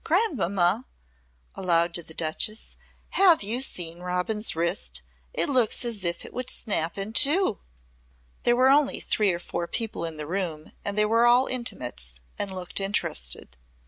Grandmamma " aloud to the Duchess, "Have you seen Robin's wrist? It looks as if it would snap in two." There were only three or four people in the room and they were all intimates and looked interested.